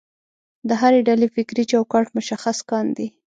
د هرې ډلې فکري چوکاټ مشخص کاندي.